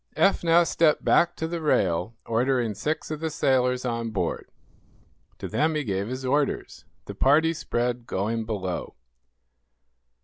Eph now stepped back to the rail, ordering six of the sailors on board. To them he gave his orders. The party spread, going below.